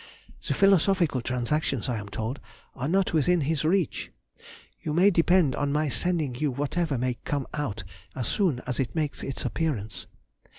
The Philosophical Transactions, I am told, are not within his reach. You may depend on my sending you whatever may come out as soon as it makes its appearance.